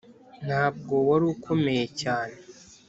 ntabwo wari ukomeye cyane.